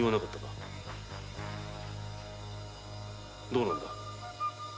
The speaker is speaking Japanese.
どうなんだ？